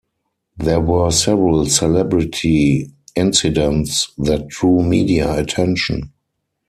There were several celebrity incidents that drew media attention.